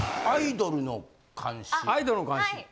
アイドルの監視。